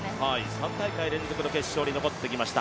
３大会連続決勝に残ってきました